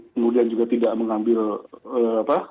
kemudian juga tidak mengambil apa